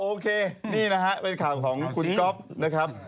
โอเคนี่นะฮะเป็นข่าวของคุณก๊อฟนะครับ